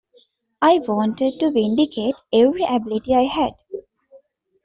I wanted to vindicate every ability I had.